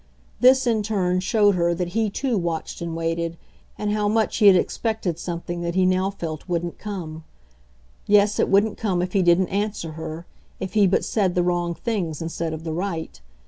This in turn showed her that he too watched and waited, and how much he had expected something that he now felt wouldn't come. Yes, it wouldn't come if he didn't answer her, if he but said the wrong things instead of the right.